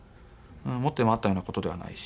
持って回ったようなことではないし。